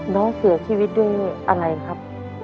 น้องเสียชีวิตด้วยอะไรครับ